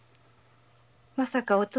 まさか弟？